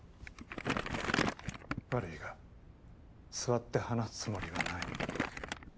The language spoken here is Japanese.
悪いが座って話すつもりはない。